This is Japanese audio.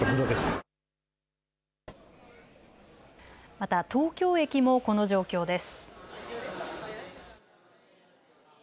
また東京駅もこの状況です。